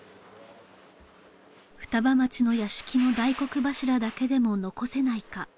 双葉町の屋敷の大黒柱だけでも残せないか